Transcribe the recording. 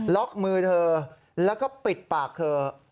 ล็อกมือเธอแล้วก็ปิดปากเธอ